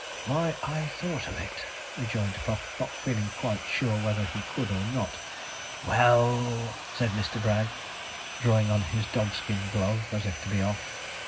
'Why, I thought of it,' rejoined Puff, not feeling quite sure whether he could or not. 'Well,' said Mr. Bragg, drawing on his dogskin glove as if to be off.